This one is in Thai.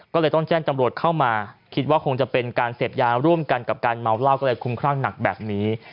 ก็เลยต้องแจ้งจำรวจเข้ามาคิดว่าคงจะเป็นการเสพยาร่วมกันกับการเมาเหล้าก็เลยคุ้มครั่งหนักแบบนี้